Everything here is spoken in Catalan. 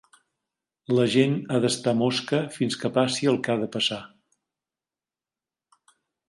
La gent ha d’estar mosca fins que passi el que ha de passar.